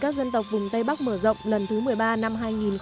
các dân tộc vùng tây bắc mở rộng lần thứ một mươi ba năm hai nghìn một mươi sáu